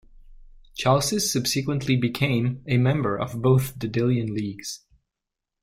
Chalcis subsequently became a member of both the Delian Leagues.